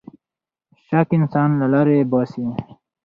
شک انسان له لارې باسـي.